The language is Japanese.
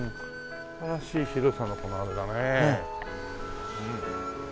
素晴らしい広さのこのあれだね。